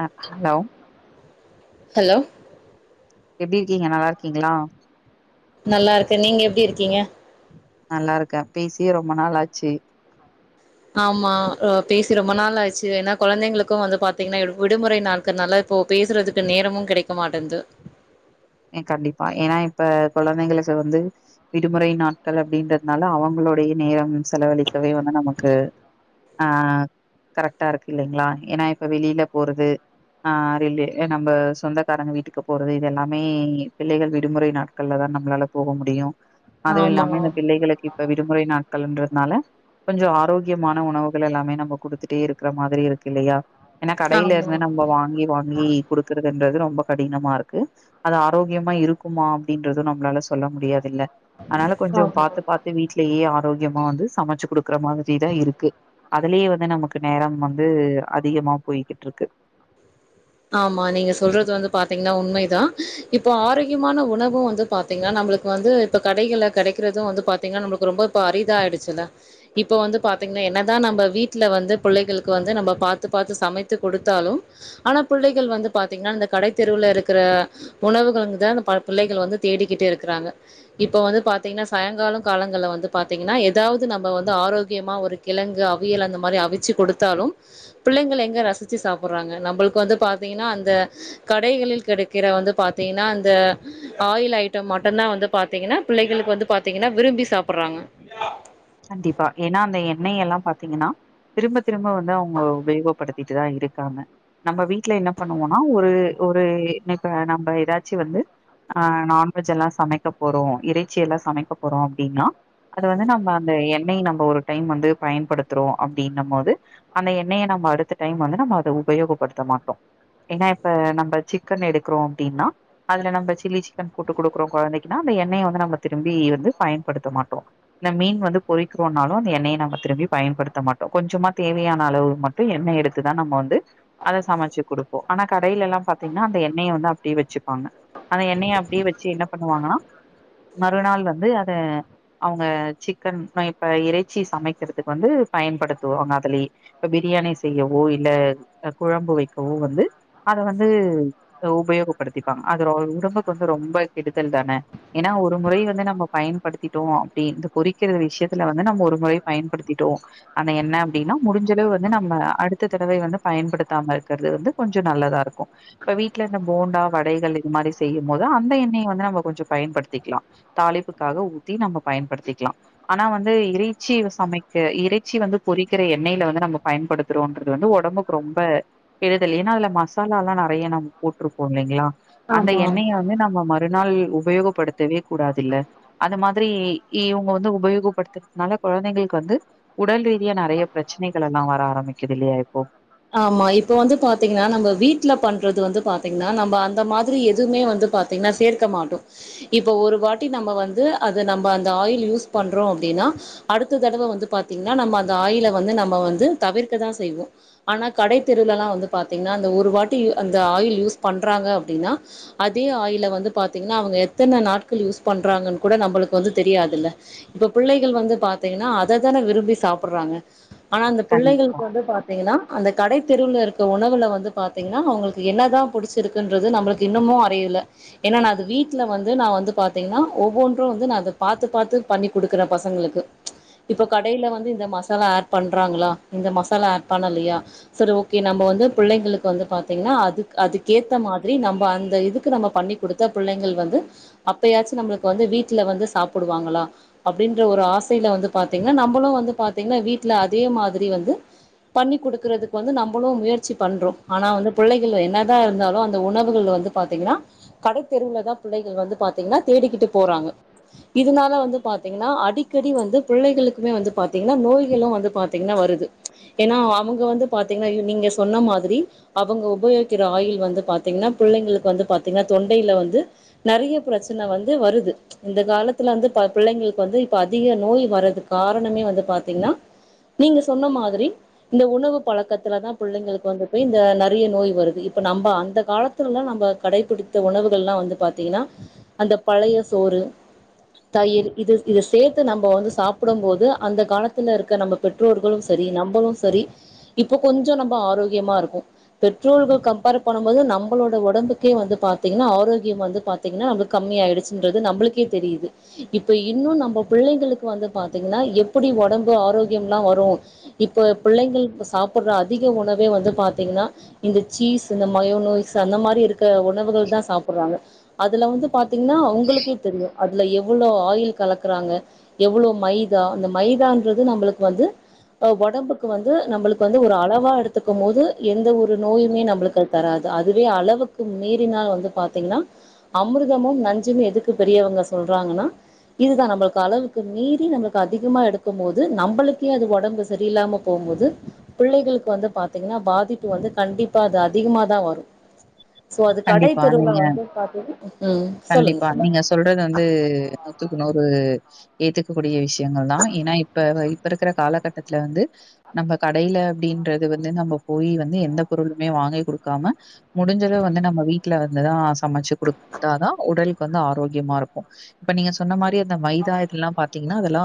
அ hello hello எப்டி இருக்கீங்க நல்லா இருக்கீங்ளா நல்லா இருக்க நீங்க எப்டி இருக்கீங்க நல்லா இருக்க பேசியே ரெம்ப நாள் ஆச்சு ஆமா பேசி ரெம்ப நாள் ஆச்சு ஏனா கொழந்தைங்களுக்கு வந்து பாத்தீங்கன்னா விடுமுறை நாட்கள்னால இப்போ பேசுறதுக்கு நேரமு கிடைக்க மாட்டேந்து ஏ கண்டிப்பா ஏனா இப்ப கொழந்தைகளுக்கு வந்து விடுமுறை நாட்கள் அப்டின்றதுனால அவுங்களுடைய நேரம் செலவழிக்கவே வந்து நமக்கு ஆ கரெக்டா இருக்கு இல்லீங்ளா ஏனா இப்ப வெளில போறது ஆ நம்ப சொந்தக்காரங்க வீட்டுக்கு போறது இதெல்லாம் மே பிள்ளைகள் விடுமுறை நாட்கள்ளதா நம்மளால போக முடியு அதுவு ஆமா இல்லாம இந்த பிள்ளைகளுக்கு இப்ப விடுமுறை நா கலண்றதுனால கொஞ்சோ ஆரோக்கியமான உணவுகள் எல்லாமே நம்ம குடுத்துட்டே இருக்கிற மாரி இருக்கு இல்லையா ஏனா கடைல ஆமா ஆமா இருந்து நம்ப வாங்கி வாங்கி குடுக்குறதுன்றது ரொ ம்ப கடினமா இருக்கு அது ஆரோக்கியமா இருக்குமா அப்படின்றது நம்மளால சொ சொல்ல முடியாதுல்ல அதனால கொஞ்சொ ஆமா பாத்து பாத்து வீட்லேயே ஆ ரோக்கியமா வந்து சமச்சு குடுக்குற மாதிரிதா இருக்கு அதுலேயே வந்து நமக்கு நேரம் வந்து அதிகமா போய்கிட்டு ருக்கு ஆமா நீங்க சொல்றது வந்து பாத்தீங்கனா உண்மைதா இப்போ ஆரோக்கியமான உணவு வந்து பாத்தீங்கனா நம்பளுக்கு வந்து இப்ப கடைகள கெடைக்கிறது வந்து பாத்தீங்கனா நம்பளுக்கு ரொம்ப இப்ப அரிதாயிடுச்சுல்ல இப்ப வந்து பாத்தீங்கனா என்னதா நம்ப வீட்டுல வந்து பிள்ளைகளுக்கு வந்து நம்ம பாத்து பாத்து சமைத்து குடுத்தாலு ஆனா பிள்ளைகள் வந்து பாத்தீங்னா இந்த கடைத் தெருவுல இருக்கிற உணவுகள்ங் தா பா பிள்ளைகள் வந்து தேடிக்கிட்டே இருக்கிறாங்க இப்போ வந்து பாத்தீங்ன்னா சாயங்காலொ காலங்கல வந்து பாத்தீங்ன்னா ஏதாவது நம்ப வந்து ஆரோக்கியமா ஒரு கிழங்கு அவியல் அந்த மாரி அவிச்சு கொடுத்தாலு பிள்ளைங்கள் எங்க ரசிச்சு சாப்புடுறாங்க நம்பளுக்கு வந்து பாத்தீங்ன்னா அந்த கடைகளில் கிடைக்கிற வந்து பாத்தீங்ன்னா அந்த ஆயில் ஐட்டம் மட்டுதா வந்து பாத்தீங்ன்னா பிள்ளைகளுக்கு வந்து பாத்தீங்ன்னா விரும்பி சாப்பிடுறாங்க கண்டிப்பா ஏனா அந்த எண்ணெய் எல்லா பாத்தீங்ன்னா திரும்ப திரும்ப வந்து அவங்க உபயோகப்படுத்திட்டுதா இருக்காங்க நம்ப வீட்டுல என்ன பண்ணுவோனா ஒரு ஒரு இப்ப நம்ப ஏதாச்சு வந்து ஆ நான்வெஜ் எல்லா சமைக்க போறோ இறைச்சி எல்லா சமைக்க போறோ அப்டினா அத வந்து நம்ப ந்த எண்ணெய நம்ப ஒரு டைம் வந்து பயன்படுத்துறோ அப்படின்னு போது அந்த எண்ணெயை நம்ம அடுத்த டைம் வந்து நம்ம அத உபயோகப்படுத்த மாட்டோ ஏனா இப்ப நம்ப சிக்கன் எடுக்கிறோ அப்படின்னா அதுல நம்ம சில்லி சிக்கன் போட்டு கொடுக்கறோ குழந்தைக்குன்னா அந்த எண்ணெயை வந்து நம்ம திரும்பி வந்து பயன்படுத்த மாட்டோ இந்த மீன் வந்து பொறிக்கிறோனாலு அந்த எண்ணெயை நம்ம திரும்பி பயன்படுத்த மாட்டோ கொஞ்சமா தேவையான அளவு மட்டு எண்ணெய எடுத்துதா நம்ம வந்து அத சமைச்சு கொடுப்போ ஆனா கடையில எல்லா பாத்தீங்கன்னா அந்த எண்ணெயை வந்து அப்படியே வச்சுப்பாங்க அந்த எண்ணெய அப்படியே வச்சு என்ன பண்ணுவாங்கன்னா மறுநாள் வந்து அத அவங்க சிக் கன் ந இப்ப இறைச்சி சமைக்கிறதுக்கு வந்து பயன்படுத்துவாங்க அதுலயே இப்ப பிரியாணி செய்யவோ இல்ல குழம்பு வைக்கவோ வந்து அத வந்து உபயோகப்படுத்திப்பாங்க அது உடம்புக்கு வந்து ரொம்ப கெடுதல் தான ஏனா ஒரு முறை வந்து நம்ப பயன்படுத்திட்டோ அப்டி இந்த பொறிக் பொறிக்கிற விஷயத்துல வந்து நம்ப ஒரு முறை பயன்படுத்திட்டோ அந்த எண்ணெ அப்டினா முடிஞ்சளவு வந்து நம்ம அடுத்த தடவை வந்து பயன்படுத்தாம இருக்கிறது வந்து கொஞ்சோ நல்லதா இருக்கு இப்ப வீட்டுல இருந்த போண்டா வடைகள் இது மாரி செய்யும் போது அந்த எண்ணெய வந்து நம்ம கொஞ்சோ பயன்படுத்திக்லா தாலிப்புக்காக ஊத்தி நம்ப பயன்படுத்திக்லா ஆனா வந்து இறைச்சி சமைக்க இறைச்சி வந்து பொறிக்கிற எண்ணெயில வந்து நம்ம பயன்படுத்துறோம்ன்றது வந்து ஒடம்புக்கு ரொம்ப கெடுதல் ஏன்னா அதுல மசாலா எல்லா நெறய நம்ம போட்ருப்போ இல்லைங்ளா அந்த எண்ணெய வந்து நம்ம ம ஒரு நாள் உபயோகப்படுத்தவே கூடாது இல்ல அது மாதிரி இவங்க வந்து உபயோகப்படுத்துறதனால கொழந்தைங்களுக்கு வந்து உடல் ரீதியா நெறய பிரச்சனைகள் எல்லா வர ஆரம்பிக்குது இல்லையா இப்போ ஆமா இப்ப வந்து பாத்தீங்கன்னா நம்ம வீட்டுல பண்றது வந்து பாத்தீங்ன்னா நம்ப அந்த மாதிரி எதுவுமே வந்து பாத்தீங்ன்னா சேர்க்க மாட்டோ இப்ப ஒரு வாட்டி நம்ம வந்து அத நம்ப அந்த ஆயில் யூஸ் பண்றோ அப்டினா அடுத்த தடவ வந்து பாத்தீங்ன்னா நம்ம அந்த ஆயில வந்து நம்ம வந்து தவிர்க்கதா செய்வோ ஆனா கடை தெருல எலா வந்து பாத்தீங்ன்னா அந்த ஒரு வாட்டி அந்த ஆயில் யூஸ் பண்றாங்க அப்டின்னா அதே ஆயில வந்து பாத்தீங்ன்னா அவங்க எத்தன நாட்கள் யூஸ் பண்றாங்கன் கூட நம்பளுக்கு வந்து தெரியாதுல்ல இப்ப பிள்ளைகள் வந்து பாத்தீங்ன்னா அததான விரும்பி சாப்பிடுறாங்க. ஆனா இந்த கண்டிப்பா பிள்ளைகளுக்கு வந்து பாத்தீங்ன்னா அந்த கடை தெருவில்ல இருக்க உணவில்ல வந்து பாத்தீங்ன்னா அவங்களுக்கு என்ன தா பிடிச்சிருக்குன்றது நம்மளுக்கு இன்னமு அறியல ஏனா நா அது வீட்டில வந்து நா வந்து பாத்தீங்ன்னா ஒவ்வொன்று வந்து நா அத பாத்து பாத்து பண்ணி குடுக்குறே பசங்களுக்கு இப்போ கடையில வந்து இந்த மசாலா ஆட் பண்றாங்களா இந்த மசாலா ஆட் பண்ணலையா சர் ஓகே நம்ப வந்து பிள்ளைங்களுக்கு வந்து பாத்தீங்ன்னா அதுக் அதுக்கேத்த மாதிரி நம்ப அந்த இதுக்கு நம்ம பண்ணி குடுத்த பிள்ளைங்கள் வந்து அப்பயாச்சு நம்பளுக்கு வந்து வீட்டுல வந்து சாப்பிடுவாங்களா அப்படின்ற ஒரு ஆசையில வந்து பாத்தீங்ன்னா நம்பளு வந்து பாத்தீங்ன்னா வீட்டுல அதே மாதிரி வந்து பண்ணி குடுக் கொடுக்குறதுக்கு வந்து நம்பளு முயற்சி பண்றோ ஆனா வந்து பிள்ளைகள் என்னதா இருந்தாலு அந்த உணவுகள் வந்து பாத்திங் ன கடைத்தெருவுல தா பிள்ளைகள் வந்து பாத் திங்னா தேடிக்கிட்டு போறாங்க இதனால வந்து பாத்திங்னா அடிக்கடி வந்து பிள்ளைகளுக்குமே வந்து பாத்திங்னா நோய்களு வந்து பாத்திங்னா வருது ஏனா அவங் ங்க வந்து பாத்திங்னா அயோ நீங்க சொன்ன மாதிரி அவங்க உபயோகிக்கிற ஆயில் வந்து பாத்தீங்ன்னா பிள்ளைங்களுக்கு வந்து பாத்தீங்னா தொண்டையில வந்து நெறய பிரச்சன வந்து வருது இந்த காலத்துல வந்து பா பிள்ளைங்களுக்கு வந்து இப்ப அதிக நோய் வர்றது காரணமே வந்து பாத்தீங்ன்னா நீங்க சொன்ன மாதிரி இந்த உணவு பழக்கத்துல தா பிள்ளைங்களுக்கு வந்து போய் இந்த நெறய நோய் வருது இப்போ நம்ப அந்த காலத்துலலா நம்ம கடைபிடித்த உணவுகள்லா வந்து பாத்திங்ன்னா அந்த பழைய சோறு தயிர் இது இத சேர்த்து நம்ப வந்து சாப்பிடு போது அந்த காலத்துல இருக்க நம்ப பெற்றோர்களு சரி நம்பளு சரி இப்ப கொஞ்சொ நம்ப ஆரோக்கியமா இருக்கோ பெற்றோர்கள் கம்பேர் பண்ணு போது நம்பளோட உடம்புக்கே வந்து பாத்தீங்ன்னா ஆரோக்கியம் வந்து பாத்தீங்ன்னா நம்பளுக்கு கம்மி ஆயிடுச்சுன்றது நம்பளுக்கே தெரியுது இப்ப இன்னு நம்ப பிள்ளைங்களுக்கு வந்து பாத்தீங்ன்னா எப்படி உடம்பு ஆரோக்கியம் லா வரும் இப்ப பிள்ளைங்கள் ப்ப சாப்பிடுற அதிக உணவே வந்து பாத்தீங்ன்னா இந்த சீஸ் இந்த மயோ நோய்ஸ் அந்த மாரி இருக் க உணவுகள் தா சாப்பிடுறாங்க அதுல வந்து பாத்தீங்ன்னா ஒங்களுக்கே தெரியு அதுல எவ்வளோ ஆயில் கலக்குறாங்க எவ்ளோ மைதா அந்த மைதான்றது நம்பளுக்கு வந்து ஒடம்புக்கு வந்து நம்பளுக்கு வந்து ஒரு அளவா எடுத்துக்கு மோது எந்த ஒரு நோயுமே நம்பளுக்கு அது தராது அதுவே அளவுக்கு மீறினால் வந்து பாத்தீங்கன்னா அமிர்தமு நஞ்சுனு எதுக்கு பெரியவங்க சொல்றாங்கனா இதுதா நம்பளுக்கு அளவுக்கு மீறி நம்மளுக்கு அதிகமாக எடுக்கு போது நம்பளுக்கே அது ஒடம்பு சரியில்லாம போம் போது புள்ளைகளுக்கு வந்து பாத்தீங்கன்னா பாதிப்பு வந்து கண்டிப்பா அது அதிகமாதா வரும் சோ அது கடை கண்டிப்பா. தெருவில நீங்க வந்து பாத்தீன்னா கண்டிப்பா நீங்க சொல்றது வந்து நூத்துக்கு நூறு ஏத்துக்கக்கூடிய விஷயங்கள் தா ஏன்னா இப்ப இப்ப இருக்கிற காலகட்டத்துல வந்து நம்ம கடையில அப்டின்றது வந்து நம்ம போய் வந்து எந்த பொருளுமே வாங்கி கொடுக்காம முடிஞ்சளவு வந்து நம்ம வீட்டுல வந்துதா சமைச்சு குடுக் வந்து ஆரோக்கியமா இருக்கு இப்ப நீங்க சொன்ன மாரியே இந்த மைதா இதல்லா பாத்தீங்கன்னா அத லா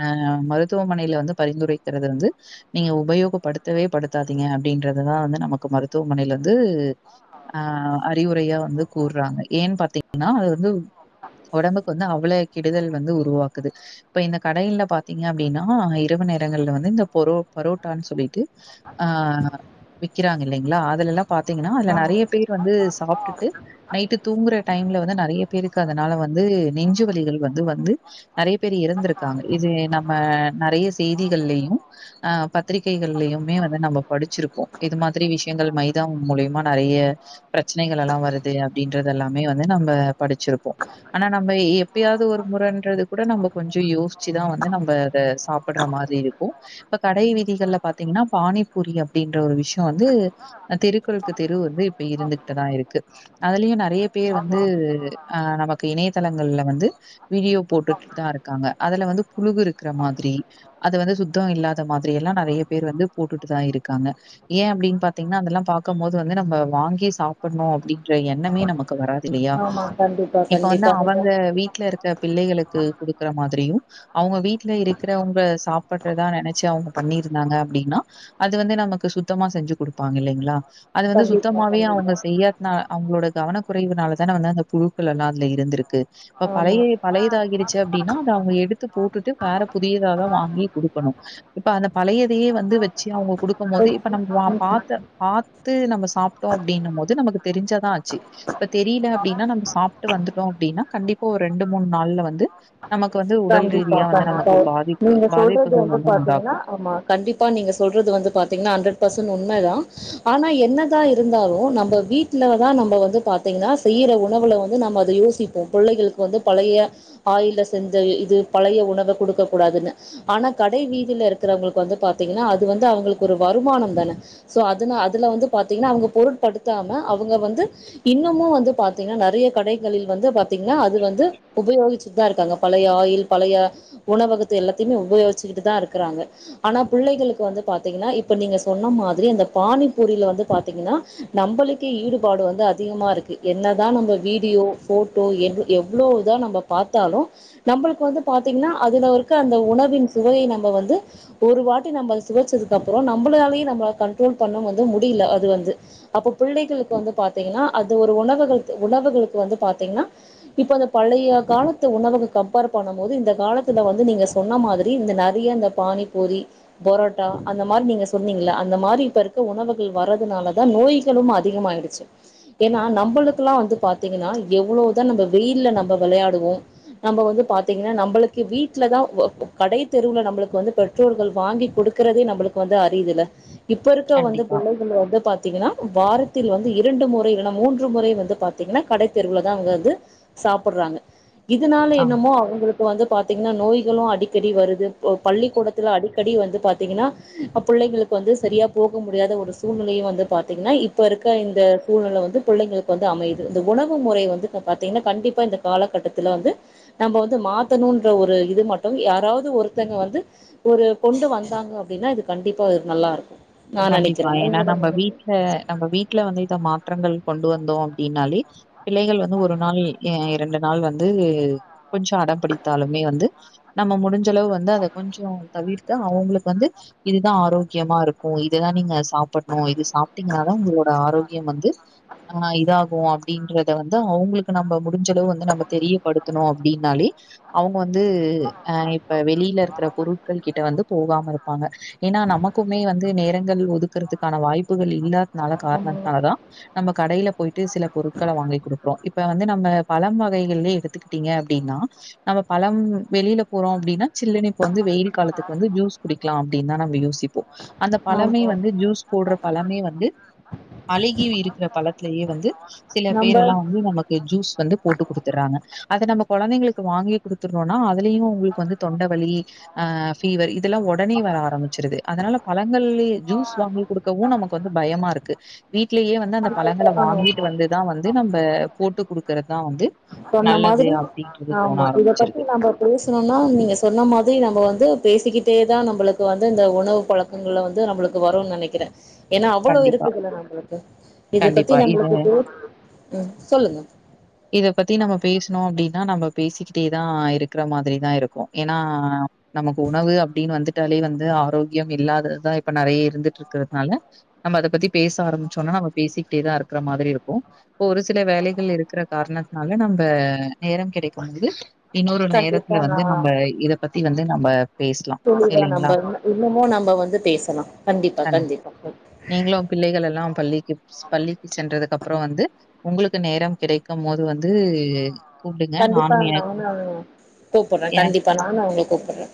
அ மருத்துவமனைல வந்து பரிந்துரைக்கிறத வந்து நீங்க உபயோகப்படுத்தவே படுத்தாதீங்க அப்டின்றததா வந்து நமக்கு மருத்துவமனைலந்து அ அறிவுரையா வந்து கூறுறாங்க ஏன்னு பார்த்தீங்கன்னா அது வந்து உடம்புக்கு வந்து அவ்வள கெடுதல் வந்து உருவாக்குது இப்ப இந்த கடைகல்ல பார்த்தீங்க அப்டின்னா இரவு நேரங்கள்ல வந்து இந்த பொரோ பரோட்டான்னு சொல்லிட்டு ஆ விக்கிறாங்க இல்லைங்களா அதுலல்லா பாத்தீங்கன்னா அதுல நிறைய பேர் வந்து சாப்ட்டுட்டு நைட்டுக் தூங்குற டைம்ல வந்து நிறைய பேருக்கு அதனால வந்து நெஞ்சுவலிகள் வந்து வந்து நிறைய பேர் இறந்திருக்காங்க இது நம்ம நெறைய செய்திகள்லயு ஆ பத்திரிகைகள்லயுமே வந்து நம்ப படிச்சிருப்போ இது மாதிரி விஷயங்கள் மைதா மூலியமா நிறைய பிரச்சனைகள் எல்லா வருது அப்படின்னு ரதெல்லாமே வந்து நம்ப படிச்சிருப்போ ஆனா நம்ப எப்படியாவது ஒரு முறைன்றது கூட நம்ம கொஞ்ச யோசிச்சுதா வந்து நம்ம அத சாப்பிடுற மாதிரி இருக்கும் இப்ப கடை வீதிகள்ல பாத்தீங்கன்னா பானிபூரி அப்டின்ற ஒரு விஷயம் வந்து தெருக்களுக்கு தெரு வந்து இப்ப இருந்துகட்டுதா இருக்கு அதுலயு நெறை றைய பேர் ஆமா வந்து அ நமக்கு இணையதளங்கள்ல வந்து வீடியோ போட்டுட்டுதா இருக்காங்க அதுல வந்து புழுகு இருக்கிற மாதிரி அது வந்து சுத்தம் இல்லாத மாதிரி எல்லா நிறைய பேர் வந்து போட்டுட்டுதா இருக்காங்க ஏன் அப்டின்னு பாத்தீங்கன்னா அதெல்லா பாக்கும் போது வந்து நம்ம வாங்கி சாப்பிடணு அப்படின்ற எண்ணமே நமக் குவராத் இல்லையா ஆமா கண்டிப்பா இப்ப வந்து கண்டிப்பா நீங்க அவங்க வீட்ல இருக்க பிள்ளைகளுக்கு குடுக்குற மாதிரியும் அவங்க வீட் ட்ல இருக்கிறவங்க சாப் பற்றதா நினைச்சு அவங்க பண்ணியிருந்தாங்க அப்டின்னா அது வந்து நமக்கு சுத்தமா செஞ்சு கொடுப்பாங்க இல்லைங்களா அது வந்து கண்டிப்பா சுத்தமாவே கண்டிப்பா அவங்க செய்யாதுனால் அவங்களோட கவனக் குறைவுனால தானே வந்து அந்த புழுக்கள் எல்லாம் அதுல இருந்திருக்கு இப்ப ஆமா பழைய பழையது ஆகிருச்சு அப்டின்னா அதை அவங்க எடுத்து போட்டுட்டு வேற புதியதாதான் வாங்கி கொடுக்கணும் இப்ப அந்த பழையதையே வந்து வச்சு அவங்க குடுக்கும் போது இப்ப ஓகே நம்ம வா ம் பாத்த பார்த்து நம்ம சாப்ட்டோம் அப்டின்னும் போது நமக்கு தெரிஞ்சாதான் ஆச்சு இப்ப தெரியல அப்டின்னா நம்ப சாப்ட்டு வந்துட்டோம் அப்டின்னா கண்டிப் ஓ ரெண்டு மூணு நாள்ல வந்து நமக்கு வந்து உடல் கண்டிப்பா ரீதியா வந்து நமக்கு கண்டிப்பா பாதிப்பு நீங்க சொல்றது பாதிப்புகள் வந்து பாத்தீங்கன்னா உண்டாகும். ஆமா கண்டிப்பா நீங்க சொல்றது வந்து பாத்தீங்கன்னா ஹண்ட்ரட் பர்சன்ட் உண்ம் ண்ம தான் ஆனா என்னதான் இருந்தாலும் நம்ம வீட்ல தான் நம்ம வந்து பார்த்தீங்கன்னா செய்யற உணவுல வந்து நம்ம அதை யோசிப்போம் புள்ளைகளுக்கு வந்து பழைய ஆயில்ல செஞ்ச இது பழைய உணவ கொடுக்க கூடாதுன்னு ஆனா கடை வீதில இருக்கிறவங்களுக்கு வந்து பார்த்தீங்கன்னா அது வந்து அவங்களுக்கு ஒரு வருமானம் தானே சோ அதுன அதுல வந்து பார்த்தீங்கன்னா அவுங்க பொருட்படுத்தாம அவுங்க வந்து இன்னமும் வந்து பார்த்தீங்கன்னா நிறைய கடைகளில் வந்து பாத்தீங்கன்னா அது வந்து உபயோகிச்சு தா இருக்காங்க பழைய ஆயில் பழையா உணவகத் எல்லாத்துமே உபயோச்கிச்சிட்டு தா இருக்காங்க ஆனா புள்ளைகளுக்கு வந்து பார்த்தீங்கன்னா நீங்க சொன்ன மாதிரி அந்த பானிப்பூரியில வந்து பார்த்தீங்கன்னா நம்பளுக்கே ஈடுபாடு வந்து அதிகமா இருக்கு என்னதான் நம்ப வீடியோ போட்டோ எவ் எவ்வளவுதான் நம்ப பார்த்தாலு நம்மளுக்கு வந்து பாத்தீங்கன்னா அதுல வர்க்க அந்த உணவின் சுவை நம்ம வந்து ஒரு வாட்டி நம் சுவைச்சதுக்கு அப்புறம் நம்மளாலயே நம்மள கண்ட்ரோல் பண்ண வந்து முடியல அது வந்து அப்ப புள்ளைகளுக்கு வந்து பாத்தீங்கன்னா அது ஒரு உணவுக உணவுகளுக்கு வந்து பார்த்தீங்கன்னா இப்ப அந்த பழையப் காலத்து உணவுக கம்பேர் பண்ணும் போது இந்த காலத்துல வந்து நீங்க சொன்ன மாதிரி இந்த நிறைய இந்த பானிப்பூரி பொரோட்டா அந்த மாதிரி நீங்க சொன்னீங்கல்ல அந்த மாதிரி இப்ப இருக்க உணவுகள் வர்றதுனாலதான் நோய்களும் அதிகமாயிடுச்சு ஏன்னா நம்மளுக்குல்லாம் வந்து பாத்தீங்கன்னா எவ்வளவுதான் நம்ம வெயில்ல நம்ம விளையாட் லும் நம்ம வந்து பாத்தீங்கன்னா நம்மளுக்கு வீட்லதான் வுவ கடை தெருவுல நம்மளுக்கு வந்து பெட்ரோர்கள் வாங்கி கொடுக்குறதே நம்மளுக்கு வந்து அறிதுல்ல இப்போ இருக்க வந்து கண்டிப்பா. பிள்ளைகள் வந்து பாத்தீங்கன்னா வாரத்தில் வந்து இரண்டு முறை இல்லன்னா மூன்று முறை வந்து பாத்தீங்கன்னா கடைத்தெருவுலதான் அவங்க வந்து சாப்புட்றாங்க இதனால ஆ, என்னமோ அவுங்களுக்கு இப்ப வந்து பாத்தீங்கன்னா நோய்களும் அடிக்கடி வருது போ பள்ளிக்கூடத்துல அடிக்கடி வந்து பாத்தீங்கன்னா புள்ளைங்களுக்கு வந்து சரியா போக முடியாத ஒரு சூழ்நிலையும் வந்து பாத்தீங்கன்னா இப்ப இருக்க இந்த சூழ்நிலை வந்து புள்ளைங்களுக்கு வந்து அமையுது இந்த உணவு முறை வந்து பாத்தீங்கன்னா கண்டிப்பா இந்த காலகட்டத்தில் ல வந்து நம்ம வந்து மாத்தணும்ன்ற ஒரு இது மட்டும் யாராவது ஒருத்தங்க வந்து ஒரு கொண்டு வந்தாங்க அப்டின்னா இது கண்டிப்பா நல்லா இருக்கு கண்டிப்பா ஏன்னா நம்ம வீட்ல நம்ம வீட்ல வந்து இந்த மாற்றங்கள் கொண்டு வந்தோம் அப்படின்னாலே பிள்ளைகள் வந்து ஒரு நாள் இரண்டு நாள் வந்து கொஞ்சம் அடம் பிடித்தாலுமே வந்து நம்ம முடிஞ்சளவு வந்து அதை கொஞ்சம் தவிர்க்க அவங்களுக்கு வந்து இதுதான் ஆரோக்கியமா இருக்கும் இரு இததான் நீங்க சாப்டணும் இது சாப்பிட்டீங்கன்னாதான் உங்களோட ஆரோியம் வந்து ஆஹ் இதாகும் அப்படின்றத வந்து அவங்களுக்கு நம்ம முடிஞ்சளவு வந்து நம்ம தெரியப்படுத்தணும் அப்படின்னாலே அவங்க வந்து அ இப்ப வெளியில இருக்கிற பொருட்கள் கிட்ட வந்து போகாம இருப்பாங்க ஏன்னா நமக்குமே வந்து நேரங்கள் ஒதுக்குறதுக்கான வாய்ப்புகள் இல்லா னால காரணனால தான் நம்ம கடையில போயிட்டு சில பொரு்களை வாங்கி கொடுக்குறோம் இப்ப வந்து நம் ந பழம் வகைகள் எடுத்துக்கிட்டீங்க அப்படின்னா நம்ம பழம் வெளியில போறோம் அப்படின்னா சில்லுனு இப்ப வந்து வெயில் காலத்துக்கு வந்து ஜூஸ் குடிக்கலா அப்படின்னுதான் நம்ம யோசிப்போம் அந்த பழமே ஆமா வந்து ஜூஸ் போடுற பழமே வந்து அழகி இருக்கிற பழத்தலேயே வந்து சில நம்ப பேர் எல்லாம் வந்து நமக்கு ஜூஸ் வந்து போட்டு குடுத்துடுறாங்க அதை நம்ம குழந்தைங்களுக்கு வாங்கி குடுத்துட்ரோனா அதுலயும் உங்களுக்கு வந்து தொண்டவலி ஆஹ் பஃபீவர் ல்லாம் உடனே வர ஆரம்பிச்சிருது அதனால வெளிய ஜூஸ் வாங்கி குடுக்கவும் நமக்கு வந்து பயமா இருக்கு வீட்லேயே வந்து அந்த பழங்களை வாங்கிட்டு ஆமா வந்துதான் வந்து நம்ம போட்டு குடுக்கறதுதான் வந்து சொன்ன நல்லது மாதிரி அப்படின்றது தோண ஆமா இத பத்தி ஆரம்பிச்சிருது நம்ம பேசணும்னா நீங்க சொன்ன மாதிரி நம்ம வந்து பேசிக்கிட்டே தான் நம்மளுக்கு வந்து இந்த உணவு பழக்கங்கள்ளை வந்து நம்மளுக்கு வரும்னு நினைக்கிறேன் ஏன்னா அவ்வளவு கண்டிப்பா, இருக்கு இதுல்ல நம்மளுக்கு இதை பத்தி கண்டிப்பா. இது நம்மளுக்கு ம் சொல்லுங்க இத பத்தி நம்ம பேசணும் அப்படின்னு நம்ம பேசிக்கிட்டேதான் இருக்கிற மாதிரிதான் இருக்கும் ஏன்னா நமக்கு உணவு அப்படின்னு வந்துட்டாலே வந்து ஆரோக்கியம் இல்லாததான் இப்ப நறைய இருந்துட்டு இருக்கிறதுனால நம்ம அதை பத்தி பேச ஆரம்பிச்சோம்னா நம்ம பேசிக்கிட்டேதான் இருக்கிற மாதிரி இருக்கும் இப்ப ஒரு சில வேலைகள் இருக்கிற காரணத்தனால நம்ம நேரம் கிடைக்கும்பது கண்டிப்பா நான் பத்தி வந்து நம்ம பேசலாம் [inaudible] நம்ம இல்லைங்களா? இன்னுமோ நம்ம வந்து பேசலா கண்டிப்பா கண் கண்டிப்பா நீங்களும் பிள்ளைகள் எல்லாம் பள்ளிக்கு பள்ளிக்கு சென்றதுக்கு அப்புறம் வந்து உங்களுக்கு நேரம் கிடைக்கும் போது வந்து கூப்டுங்க கண்டிப்பா நானும் எனக்கு நானு கூப்புட்றே என கண்டிப்பா நானு உங்கள கூப்புட்றே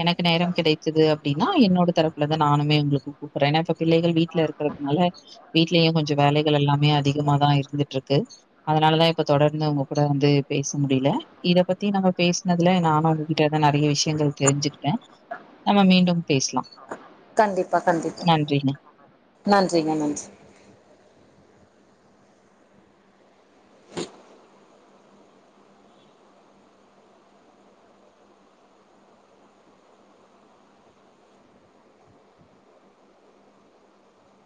எனக்கு நேரம் கிடைச்சுதுன அப்படின்னா என்னோட தரப்புல வந்து நானுமே உங்களுக்கு கூப்பிடறே பிள்ளைகள் வீ ட்ல இருக்கிறது நால வீட்லயும் கொஞ்சம் வேலைகள் எல்லாமே அதிகமாதான் இருந்துட்டு இருக்கு அதனாலதான் இப்ப தொடர்ந்து உங்க கூட வந்து பேச முடியல இத பத்தி நம்ம பேசினதுல நானும் உங்ககிட்டதான் நிறைய விஷயங்கள் தெரிஞ்சுகிட்டேன் நம்ம மீண்டும் பேசலா கண்டிப்பா கண்டிப்பா நன்றிங்க நன்றி